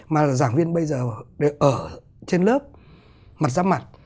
mà là giảng viên bây giờ ở trên lớp mặt ra mặt